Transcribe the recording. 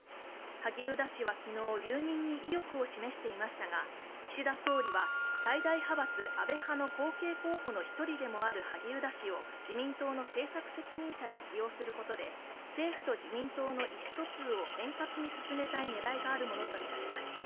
萩生田氏は昨日、留任に意欲を示していましたが岸田総理は最大派閥・安倍派の後継候補の一人でもある萩生田氏を自民党の政策責任者に起用することで政府と自民党の意思疎通を円滑に進めたい狙いがあるものとみられます。